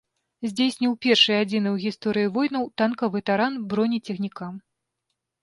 Здзейсніў першы і адзіны ў гісторыі войнаў танкавы таран бронецягніка.